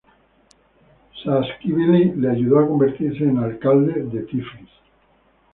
Saakashvili le ayudó a convertirse en Alcalde de Tiflis.